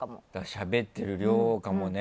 しゃべってる量かもね。